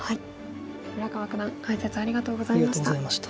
村川九段解説ありがとうございました。